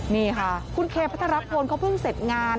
นี่ค่ะคุณเคพัทรพลเขาเพิ่งเสร็จงาน